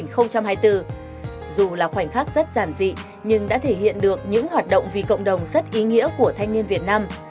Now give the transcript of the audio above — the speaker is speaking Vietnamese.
dù khoảnh khắc rất giản dị nhưng đã thể hiện được những hoạt động vì cộng đồng rất ý nghĩa của thanh niên việt nam